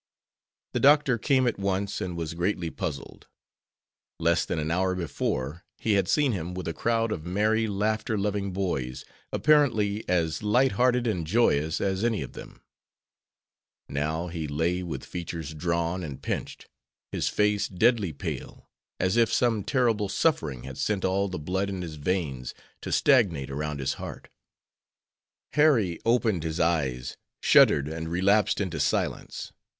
The doctor came at once and was greatly puzzled. Less than an hour before, he had seen him with a crowd of merry, laughter loving boys, apparently as light hearted and joyous as any of them; now he lay with features drawn and pinched, his face deadly pale, as if some terrible suffering had sent all the blood in his veins to stagnate around his heart. Harry opened his eyes, shuddered, and relapsed into silence.